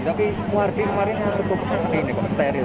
tapi muhardi kemarin cukup steril